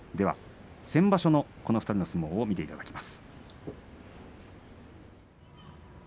先場所のこの２人の相撲を見ていただきます。